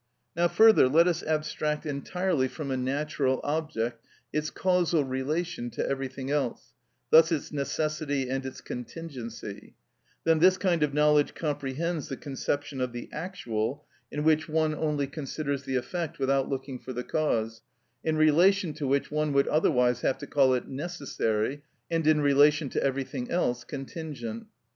Now, further, let us abstract entirely from a natural object its causal relation to everything else, thus its necessity and its contingency; then this kind of knowledge comprehends the conception of the actual, in which one only considers the effect, without looking for the cause, in relation to which one would otherwise have to call it necessary, and in relation to everything else contingent.